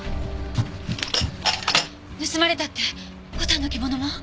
盗まれたって牡丹の着物も？